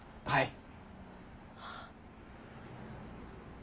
はい。